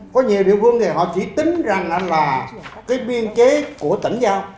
có nhiều địa phương thì họ chỉ tính rằng là cái biên chế của tỉnh giao